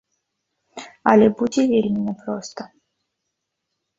Але будзе вельмі няпроста.